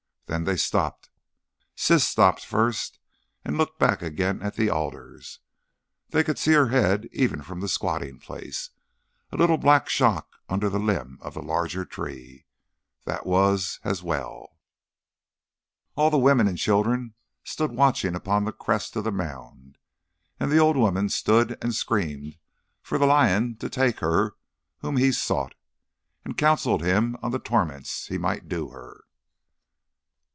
Then they stopped. Siss stopped first and looked back again at the alders. They could see her head even from the squatting place, a little black shock under the limb of the larger tree. That was as well. All the women and children stood watching upon the crest of the mound. And the old woman stood and screamed for the lion to take her whom he sought, and counselled him on the torments he might do her.